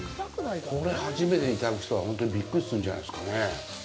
これ初めていただく人は本当にびっくりするんじゃないですかね。